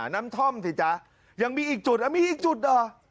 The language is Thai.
ท่อมสิจ๊ะยังมีอีกจุดมีอีกจุดเหรอ